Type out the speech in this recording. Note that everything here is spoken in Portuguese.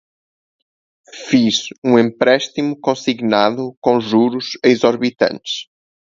Fiz um empréstimo consignado com juros exorbitantes